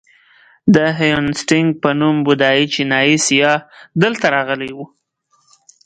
د هیونتسینګ په نوم بودایي چینایي سیاح دلته راغلی و.